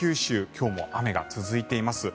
今日も大雨が続いています。